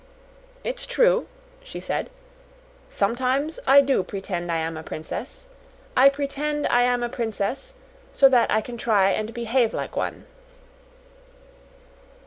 "It's true," she said. "Sometimes I do pretend I am a princess. I pretend I am a princess, so that I can try and behave like one."